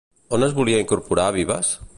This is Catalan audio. On es volia incorporar Vives?